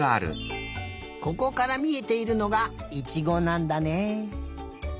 ここからみえているのがいちごなんだね。